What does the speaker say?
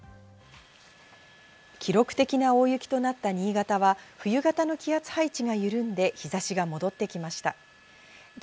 記録的な大雪となった新潟は冬型の気圧配置が緩んで日差しが戻ってきました。